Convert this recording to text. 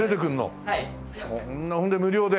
そんなそれで無料で？